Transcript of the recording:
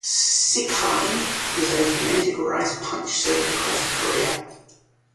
"Sikhye" is a fermented rice punch served across Korea.